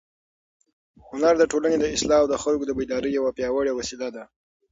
هنر د ټولنې د اصلاح او د خلکو د بیدارۍ یوه پیاوړې وسیله ده.